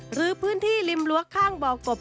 หรือพื้นที่ริมรั้วข้างบ่อกบ